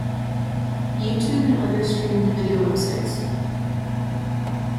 YouTube and other streamed video websites.